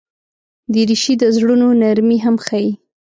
دریشي د زړونو نرمي هم ښيي.